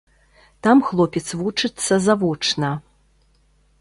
Там хлопец вучыцца завочна.